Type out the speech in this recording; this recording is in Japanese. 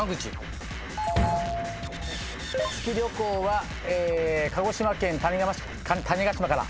月旅行は鹿児島県の種子島から？